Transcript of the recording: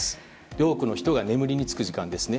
多くの人が眠りにつく時間ですね。